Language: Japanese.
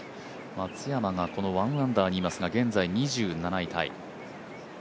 松山が１アンダーにいますが現在、２７位タイ。